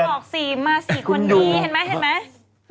ทุกคนบอกสิมาสิคนนี้เห็นไหม